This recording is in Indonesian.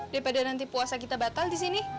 daripada nanti puasa kita batal disini